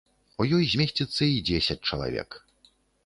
У ёй змесціцца і дзесяць чалавек.